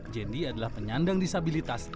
jendi adalah penyandang disabilitas